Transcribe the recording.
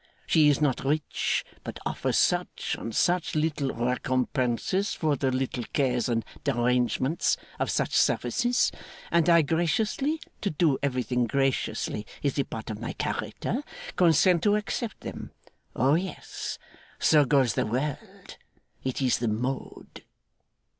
She is not rich, but offers such and such little recompenses for the little cares and derangements of such services; and I graciously to do everything graciously is a part of my character consent to accept them. O yes! So goes the world. It is the mode.